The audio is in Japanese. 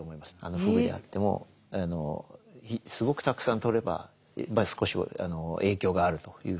フグであってもすごくたくさんとれば少しは影響があるというふうにいわれてますね。